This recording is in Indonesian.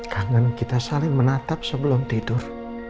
tangan kita saling menatap sebelum tidur